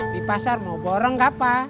di pasar mau borong gak apa